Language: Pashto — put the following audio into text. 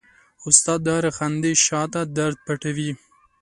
استاد د هرې خندې شاته درد پټوي.